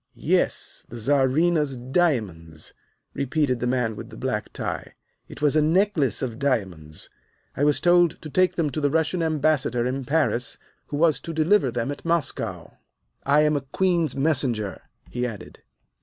"Yes, the Czarina's diamonds," repeated the man with the black tie. "It was a necklace of diamonds. I was told to take them to the Russian Ambassador in Paris who was to deliver them at Moscow. I am a Queen's Messenger," he added.